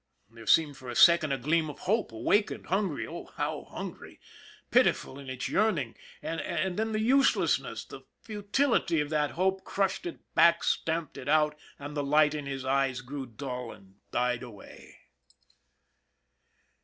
There seemed for a second a gleam of hope awakened, hungry, oh, how hungry, pitiful in its yearning, and then the uselessness, the futility of that hope crushed it back, stamped it out, and the light in his eyes grew dull and died away.